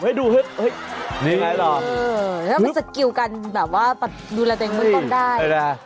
ศักดิ์สกิลกันแบบว่าดูรัติงไม่ต้องได้